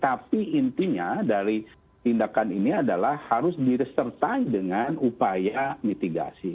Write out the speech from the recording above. tapi intinya dari tindakan ini adalah harus diressertai dengan upaya mitigasi